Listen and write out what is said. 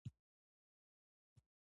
د قلم ارزښت بې پایانه دی.